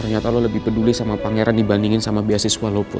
ternyata lo lebih peduli sama pangeran dibandingin sama beasiswa lo